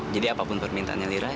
jadi apapun permintaannya lira